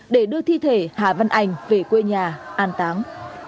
để đưa thi thể hà văn ảnh về quê nhà an táng